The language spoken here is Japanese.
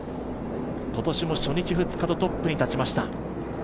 今年も初日、２日とトップに立ちました。